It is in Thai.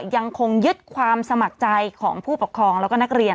ยังคงยึดความสมัครใจของผู้ปกครองแล้วก็นักเรียน